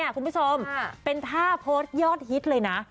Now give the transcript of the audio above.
คุณผู้ชมเป็นท่าโพสต์ยอดฮิตเลยนะ